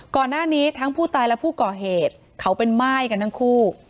ก่อนหน้านี้ทั้งผู้ตายและผู้ก่อเหตุเขาเป็นม่ายกันทั้งคู่